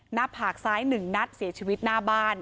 หน้าผากซ้าย๑นัดเสียชีวิตหน้าบ้าน